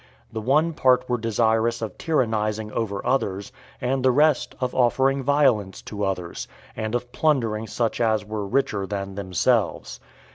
The one part were desirous of tyrannizing over others, and the rest of offering violence to others, and of plundering such as were richer than themselves.